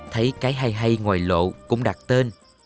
thấy cái hay hay ngoài lộ cũng đặt tên